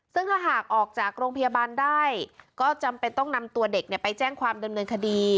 ซึ่งถ้าหากออกจากโรงพยาบาลได้ก็จำเป็นต้องนำตัวเด็กไปแจ้งความดำเนินคดี